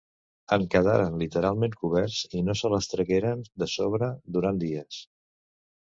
En quedaren literalment coberts i no se les tragueren de sobre durant dies.